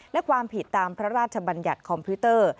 และความผิดตามพระราชบัญญัติคอมพิวเตอร์